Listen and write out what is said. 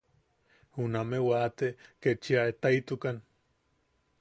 Jume wate kechia etaʼitukan.